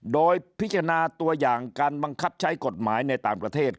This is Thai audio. โดยพิจารณาตัวอย่างการบังคับใช้กฎหมายในต่างประเทศ